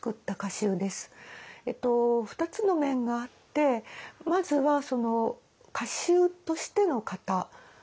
２つの面があってまずはその歌集としての型。